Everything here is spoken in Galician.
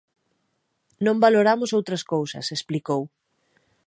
Non valoramos outras cousas, explicou.